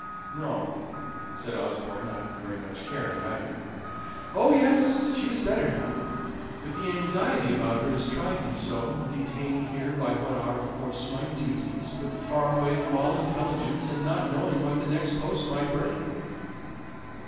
"No," said Osborne, not very much caring either. "Oh, yes, she is better now; but the anxiety about her has tried me so: detained here by what are, of course, my duties, but far away from all intelligence, and not knowing what the next post might bring."